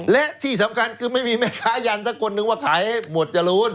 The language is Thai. และที่สำคัญคือไม่มีแม่ค้ายันสักคนนึงว่าขายให้หวดจรูน